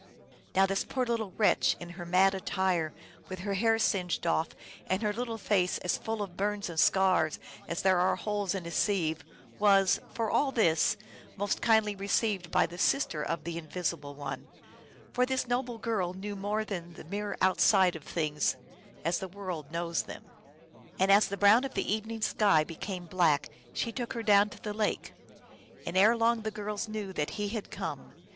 Now this poor small wretch in her mad attire, with her hair singed off and her little face as full of burns and scars as there are holes in a sieve, was, for all this, most kindly received by the sister of the Invis ible One ; for this noble girl knew more than the mere outside of things as the world knows them. And as the brown of the evening sky became black, she took her down to the lake. And erelong the girls knew that He had come.